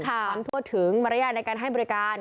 ความทั่วถึงมารยาทในการให้บริการ